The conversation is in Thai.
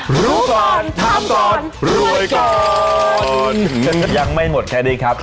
รู้ก่อนถามก่อนรวยก่อนยังไม่หมดแค่นี้ครับ